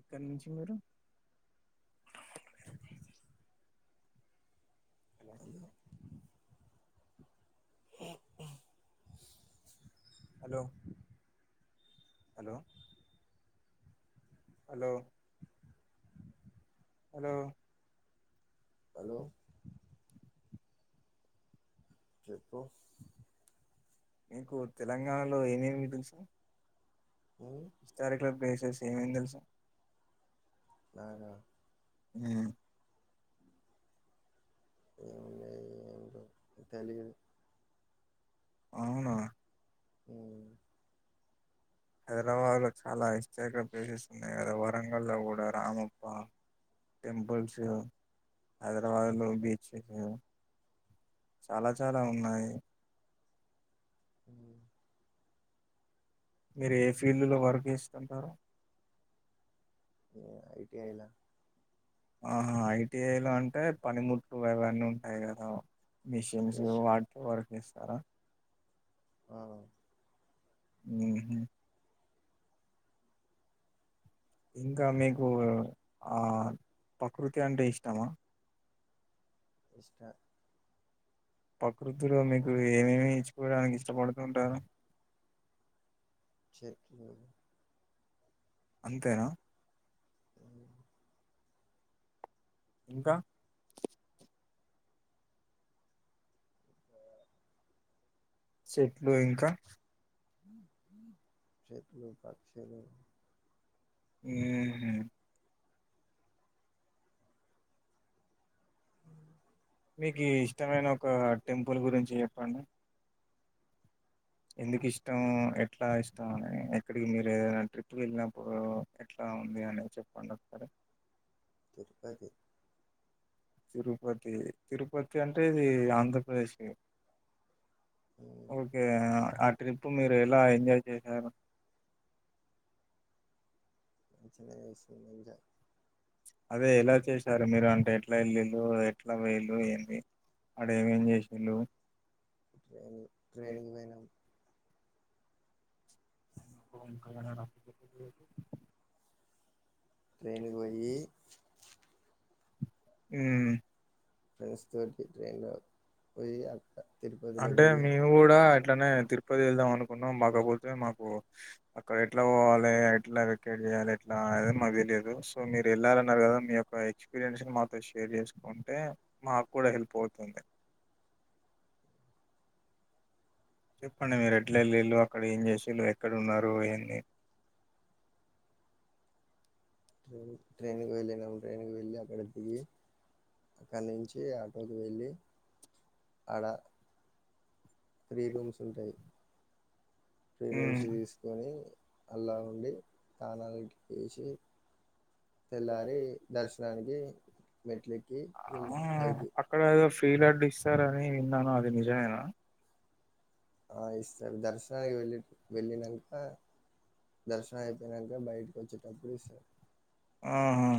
ఏక్కడి నుంచి మీరు hello hello hello hello hello hello చెప్పు మీకు తెలంగాణలో ఏమేమి తెలుసు హిస్టారికల్ ప్లేసెస్ ఏమేమి తెలుసు నాకా హ్మ్ ఏం ఉన్నాయి ఏం లేవ్ తెలిదు అవునా హు హైద్రాబాదలో చాలా ఇంస్టాగ్రామ్ పేజీస్ ఉన్నాయి కదా వరంగల్లో కూడా రామప్ప టెంపుల్సు హైదరాబాదు లో బీచ్ కు చాలా చాలా ఉన్నాయి హు మీరు ఏ ఫీల్డులో వర్క్ ఇస్తుంటారు ఆహా ఐటిఐ ఎలా అంటే పనిముటు అవన్నీ ఉంటాయి కదా మిషిన్స్ వాటి తో వర్క్ ఇస్తారా హు హు ఇంకా మీకు ఆ పకృతి అంటే ఇష్టమా ఇష్ట పకృతులో మీకు ఏమేమి ఇచ్చుకోవడానికి ఇష్టపడుతుంటారు చెట్లు అంతేనా ఇంకా చెట్లు ఇంకా చెట్లు పక్షులు హు హు మీకీ ఇష్టమైన ఒక టెంపుల్ గురించి చెప్పండి ఎందుకు ఇష్టం ఎట్లా ఇష్టం అననె ఇక్కడి మీరు ఏదైనా ట్రిప్కి వెళ్ళినప్పుడు ఎట్లా ఉంది అనేది చెప్పండి ఒక్కసారి తిరుపతి తిరుపతి తిరుపతి అంటే ఇది ఆంధ్రప్రదేశీ ఓకే య ఆ ట్రిప్ మీరు ఎలా ఎంజాయ్ చేసారు చిన్న చిన్నగా చేస్తున్న ఎంజా ట్రయినింగ్ ట్రైనింగ్ వేనం నా ఫోన్ కనడన చెప్పు ఇప్పుడు చెప్పు ట్రైన్ కి వోయి ఉ అంటే మేము కూడా ఏట్లానే తిరుపతి వెళ్దాం అనుకున్నాం మాకపోతే మాకు అక్కడ ఎట్లా పోవాలే ఎట్లా వెకేట్ చేయాలి ఎట్లా అవన్నీ మాకు తెలియదు సో, మీరు వెళ్ళాలన్నారు గదా! మీ యొక్క ఎక్స్పీరియన్స్ ని మాతో షేర్ చేసుకుంటే మాకు కుడా హెల్ప్ అవుతుంది. చెప్పండి మీరు ఎట్ల ఎళ్ళిళ్లు అక్కడ ఏం చేసిళ్ళు ఎక్కడున్నారు ఏంది త్రూ ట్రైన్ కు వెల్లినం ట్రైన్ కు పొయ్ వెళ్ళి అక్కడ దిగి అక్కడ్నుంచి ఆటోకి వెళ్ళి ఆడ ఫ్రీ రూమ్స్ ఉంటాయి ఫ్రీ రూమ్స్ దీసుకొనీ అల్లా ఉండి ఆలావికి పోయేసి ఆ అక్కడ ఏదో ఫ్రీ లడ్డు ఇస్తారని విన్నాను అది ని జాయిన్ అయినావా ఆ ఎస్ దర్శనానికి వెళ్ళి వెళ్ళినంక దర్శనం అయిపోనంక బైటి వచ్చేప్పుడు ఇస్ ఆహా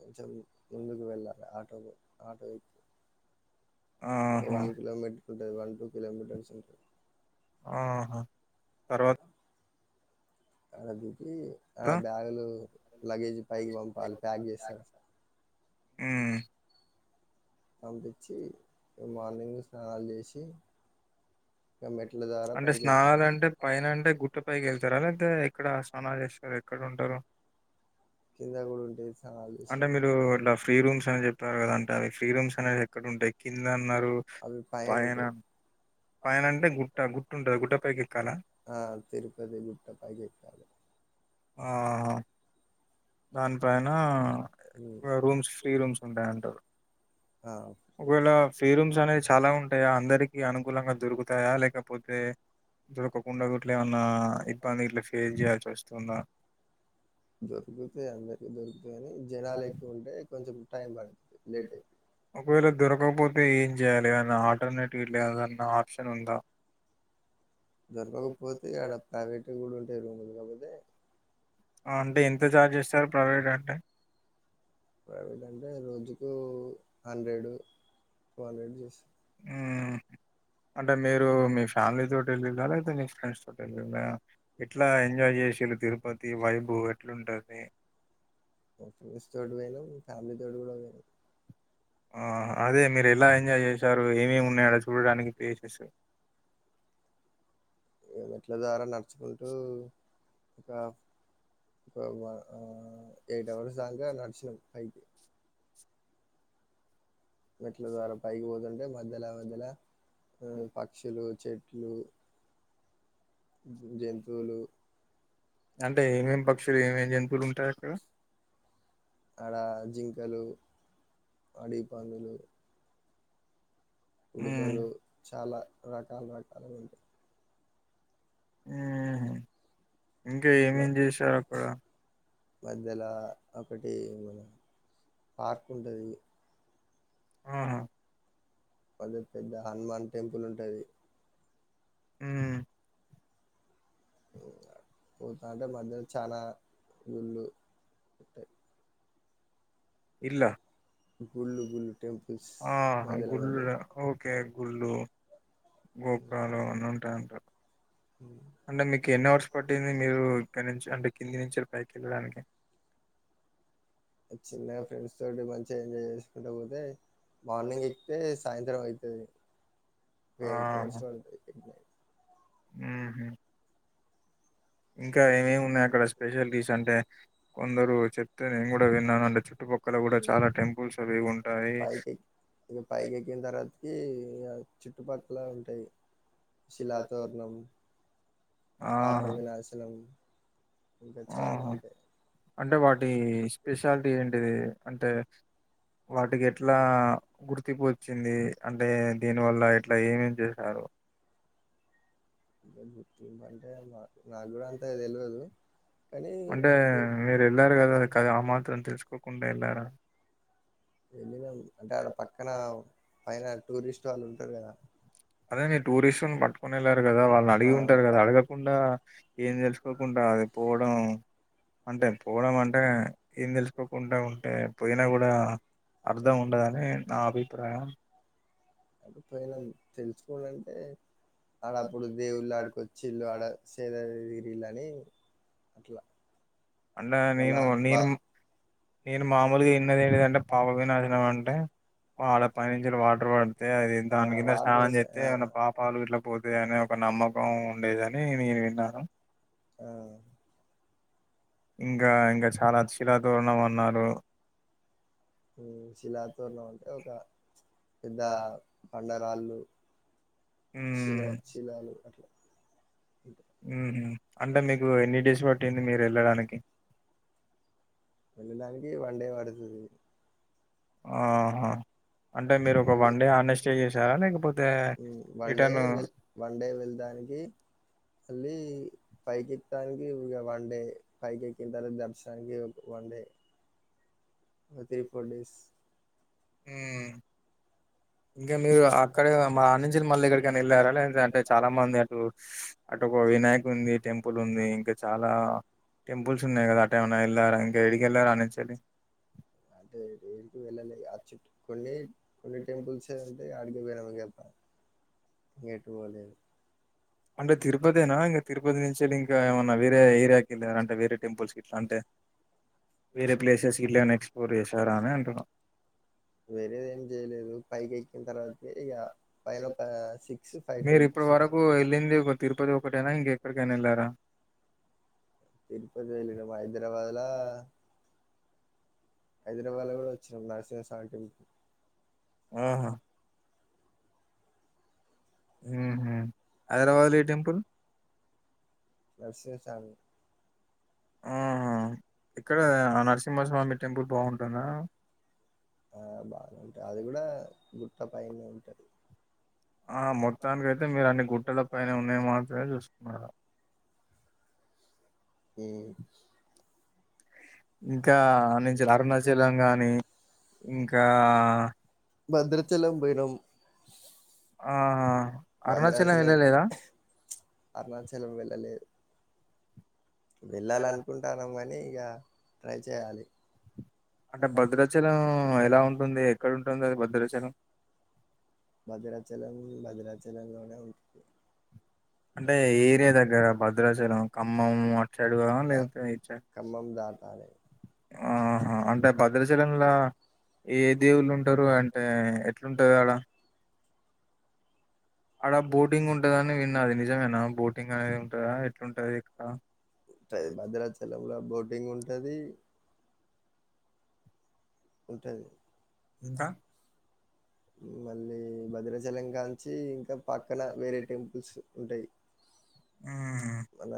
కొంచెం ముందుకు వెళ్ళాలి ఆటోకు ఆటో ఎక్ ఒక వన్ కిలోమీటర్ ఉంటయి వన్ టూ కిలోమీటర్స్ ఉంటయి ఆహ తర్వాత్ అది ఈ ఆ బ్యాగులూ లగేజ్ పైకి పంపాల్ ప్యాక్ జేస్తరట ఊ ఔడిచ్చీ మార్నింగ్ స్నానాలు జేసి అంటె స్నానాలంటే, పైనంటే గుట్ట పైకెళ్తర లేనట్ ఇక్కడా స్నానాలు జేస్తర ఎక్కడుంటరు అంటే మీరూ ఇట్ల ఫ్రీ రూమ్స్ అని చెప్పారు గదా? అంటే అవి ఫ్రీ రూమ్స్ అనేవి ఎక్కడంటయి? కింద అన్నారూ పైన పైనంటే గుట్ట గుట్టు ఉంటది. గుట్ట పైకి ఎక్కాలా? ఆ దానిపైన ఇగ రూమ్స్ ఫ్రీ రూమ్స్ ఉంటాయంటారు ఒకవేళ ఫ్రీ రూమ్స్ అనేవి చాలా ఉంటాయా అందరికీ అనుకూలంగా దొరుకుతాయా లేకపోతే దొరకకుండా గుట్లా ఏమన్నా ఇబ్బంది ఇట్లా ఫేస్ చేయాల్సి వస్తుందా జనాలెక్ ఒకవేళ దొరకపోతే ఏం చేయాలి ఎదన్న ఆల్టర్నేటివ్ గిట్ల ఏదన్న ఆప్షన్ ఉందా దొరకకపోతే ఆడ ప్రైవేట్ కూడా ఉంటాయి రూములు అదే ఆ అంటే ఎంత ఛార్జ్ చేస్తారు ప్రవేట్ అంటే ప్రైవేట్ అంటే రోజుకు హండ్రెడు వాలెడ్జస్ ఉ అంటే మీరు మీ ఫ్యామిలీ తోటి ఎళ్లిల్లా లేకపోతే మీ ఫ్రెండ్స్ తోటి ఏళ్ళిందా ఎట్లా ఎంజాయ్ చేసిళ్ళు తిరుపతి వైబ్ ఎట్లుంటది ఫ్రెండ్స్ తోటి పొయినం ఫ్యామిలీ తోటి కూడా పొయినం ఆ అదే మీరు ఎలా ఎంజాయ్ చేశారు ఏమేమి ఉన్నాయాడ చూడడానికి ప్లేసెస్ మెట్ల ద్వారా నడుచుకుంటూ ఒక ఆ ఒక వన్ ఎయిట్ అవర్స్ దాంక నడిచినం పైకి మెట్ల ద్వారా పైకిపోతుంటే మద్దెల మద్దెలా ఆ పక్షులు చెట్ క్లూ అంటే ఏమేమ్ పక్షులు ఏమేమ్ జంతువులు ఉంటాయి అక్కడ ఆడ జింకలు అడవి పందులు ఉడతలు చాలా రకాలు రకా అవే ఉంటాయి ఉహు ఇంకా ఏమేమ్ చేశారు అక్కడ మధ్యలా ఒకటి మన ఆర్క్ ఉంటది ఆహా అదే పెద్ద హనుమాన్ టెంపుల్ ఉంటది హూ ఉ అ పోతాంటే మధ్యలో చానా గుళ్ళు ఉంటై ఇళ్ల గుళ్ళు గుళ్ళు టెంపుల్స్ ఆ మధ్యల మధ్యల గుళ్లు గోపురాలు అన్నీ ఉంటాయంట అంటే మీకు ఎన్ని అవర్స్ పట్టింది మీరు ఇక్కడ నుంచి అంటే కింది నుంచి పైకి వెళ్ళడానికి చిన్నగ ఫ్రెండ్స్ తోటి మంచిగా ఎంజాయ్ చేస్తా పోద [unintelligible] మార్నింగ్ ఎకితే సాయంత్రం అయితది ఎయిట్ అవర్స్ పడతది ఆ ఇంకా ఏమేమి ఉన్నాయి అక్కడ స్పెషాలిటీస్ అంటే కొందరు చెప్తే నేను కూడా విన్నాను అంటే చుట్టుపక్కల కూడా చాలా టెంపుల్స్ అవి ఉంటాయి [inaudible] పాప వినాశన ఆహ అంటే వాటి స్పెషాలిటీ ఏంటిది అంటే వాటికి ఎట్లా గుర్తింపు వచ్చింది అంటే దీని వల్ల ఇట్లా ఏమేం చేశారు గుంటే [unintelligible] అంటే మీరు వెళ్లారు కదా అది కద ఆ మాత్రం తెలుసుకోకు కుండా ఎల్లార ఎళ్ళినమ్ అంటే ఆడ పక్కన పైన టూరిస్ట్ చాలు [unintelligible] ఉంటారు కదా అదే నీ టూరిస్టుని పట్టుకుని వెళ్ళారు కదా వాళ్ళని అడిగి ఉంటారు కదా అడగకుండా ఏం తెలుసుకోకుండా అది పోవడం అంటే పోవడం అంటే ఏం తెలుసుకోకుండా ఉంటే పోయినా కూడా అర్థం ఉండదని నా అభిప్రాయం పోయినమ్ తెలుసుకోడం అంటే ఆడ ఆప్పుడు దేవుళ్ళు ఆడికొచ్చిల్లు ఆడ సేదదీరిండ్ర ని అట్లా అన్న నేను నేను నేను మామూలుగా విన్నది ఏంటిదంటే పాపవినాశినం అంటే వాళ్డ పైనుంచి వాటర్ పడితే అది దాని కింద స్నానం చేస్తే ఏమన్న పాపలు ఇట్లా పోతాయని ఒక నమ్మకం ఉండేదని నేను విన్నాను ఆ ఇంకా ఇంకా చాలా చిరా తోరణం అన్నారు ఉ శిలాతోరణం అంటే ఒక పెద్ద బండరాళ్ళు శిల శిలలు అట్లా హ్ అంటే మీకు ఎన్ని డేస్ పట్టింది మీరు వెళ్ళడానికి వెళ్ళడానికి వన్ డే [unintelligible] మడుంది హ్ ఆహ మళ్ళీ వన్ డే వెల్ వన్ డే వెల్దానికీ మళ్ళీ పైకెక్కడానినకి ఇగ వన్ డే పైకి ఎక్కిన తర్వాత దర్శనానికి ఒక one day three four days ఇంక మీరు అక్కడే అనించి మళ్ళీ ఎక్కడికైనా వెళ్ళారా లేకుంటే అంటే చాలా మంది అటూ స్ అటు ఒక వినాయకుంది టెంపుల్ ఉంది ఇంక చాలా టెంపుల్స్ ఉన్నాయి గదా అటేమైనా ఎళ్ళారా ఇంక ఎడికి ఎళ్ళారా అని చలి వెళ్ళలే రాజు కొన్నీ కొన్ని టెంపుల్స్ సే అడికపోయినంక చెప్తా ఎటు పోలేదు అంటే తిరుపతేనా ఇంగ తిరుపతి నుంచి వెళ్ళి ఇంకా ఏమన్నా వేరే ఏరియా కింద అంటే వేరే టెంపుల్స్ గిట్లా అంటే వేరే ప్లేసెస్ గిట్ల ఎక్స్పోర్ చేశారా అని అంటున్నా వేరేదేం చేయలేదు పైకి ఎక్కిన తర్వాత ఏ ఇగా మీరు ఇప్పటి వరకు ఎళ్ళింది ఒక తిరుపతి ఒకటైనా ఇంకెక్కడికైనా ఎళ్ళారా తిరుపతి వెళ్లినం హైదరాబాద్లా హైదరాబాద్ లో కూడా వచ్చినం నరసింహస్వామి టెంపుల్ ఆహా ఉ హ్మ్ హైదరాబాద్ లో ఏ టెంపుల్ వస్తే చాలు ఆహ ఇక్కడ నరసింహస్వామి టెంపుల్ బాగుంటుందా హా బా నాది గుడా భయంగా ఉంటది ఆ మొత్తానికైతే మీరు అన్ని గుట్టల పైనే ఉన్నవి మాత్రమే చూసుకున్నరా మ్మ్ ఇంకా ఆనుంచి అరుణాచలం గానీ ఇంకా ఆహా అరుణాచలం ఎళ్ళలేదా అరుణాచలం వెళ్ళలే వెళ్ళాలనుకుంటానం గనీ యా ట్రై చేయాలీ అంటే భద్రాచలం ఎలా ఉంటుంది ఎక్కడ ఉంటుంది అది భద్రాచలం భద్రాచలం లోనే ఉంటి అంటే ఏ ఏరియా దగ్గర భద్రాచలం ఖమ్మం అటుసైడ్ ఆ లేకపోతే ఇటుసైడ్ ఆ అంటే భద్రాచలంలా ఏ దేవుళ్ళు ఉంటారు అంటే ఎట్లుంటది ఆడ ఆడ బోటింగ్ ఉంటదని విన్నా అది నిజమేనా బోటింగ్ అనేది ఉంటందా ఎట్లుంటది ఇక్కడ టింగ్ ఉంటది ఉంటది ఇంకా మ్మ్ మళ్ళీ భద్రాచలం కాంచి ఇంకా పక్కన వేరే టెంపుల్స్ ఉంటాయి మన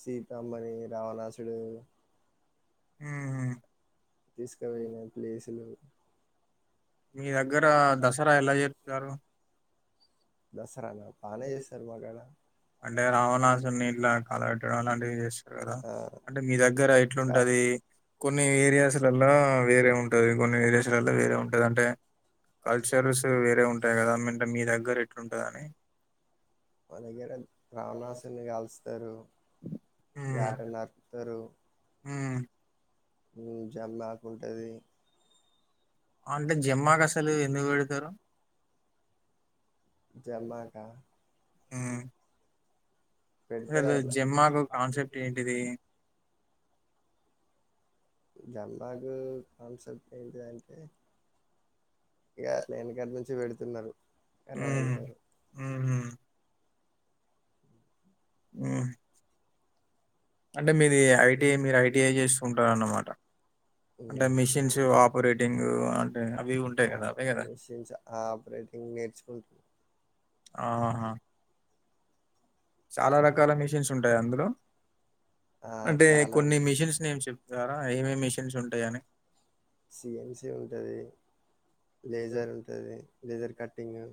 సీతామని రావణాసుడు మ్మ్ హు తీస్కపోయిన ప్లేసులు మీ దగ్గర దసరా ఎలా జరుపుతారు దస్ అంటే రావణాసున్ని ఇట్లా కాలబెట్టడం అలాంటివి చేస్తారు కదా, అంటే మీ దగ్గర ఎట్లుంటది కొన్ని ఏరియాస్లలల్లా వేరే ఉంటది కొన్ని ఏరియాస్లలల్లా వేరే ఉంటది అంటే కల్చర్స్ వేరే ఉంటాయి కదా మంటే మీ దగ్గర ఎట్ ట్లుంటది అని మా దగ్గర రావణాసుణ్ణి కాలుస్తారు యాటలు నరుకుతరూ మ్మ్ మ్మ్ చల్లకుంటది అంటే జమ్మాకు అసలు ఎందుకు పెడతారు మ్మ్ అదే జమ్మాకు కాన్సెప్ట్ ఏంటిది జమ్మాకు కాన్సెప్ ఏంటిది అంటే ఇగ అట్లా ఎనకటు నుంచి పెడుతున్నారు అల పెడతారు మ్మ్ [inaudible] మ్మ్ ఐ టి ఆ అపరేశించ్ ఆ ఆపరేటింగ్ నేర్చుకుంట ఆ చాలా ఉంటాయి సి ఎం సి ఉంటది లేజర్ ఉంటది లేజర్ కట్టింగు